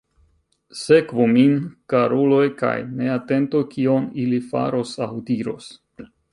Sekvu min, karuloj, kaj ne atentu kion ili faros aŭ diros.